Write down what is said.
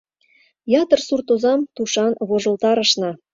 Ятыр сурт озам тушан вожылтарышна.